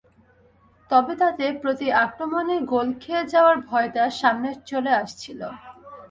তবে তাতে প্রতি আক্রমণে গোল খেয়ে যাওয়ার ভয়টা সামনে চলে আসছিল।